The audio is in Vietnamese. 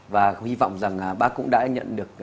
và hy vọng rằng bác cũng đã nhận được